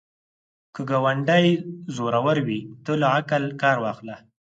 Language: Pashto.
که ګاونډی زورور وي، ته له عقل کار واخله